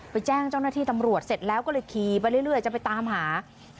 แจ้งเจ้าหน้าที่ตำรวจเสร็จแล้วก็เลยขี่ไปเรื่อยจะไปตามหา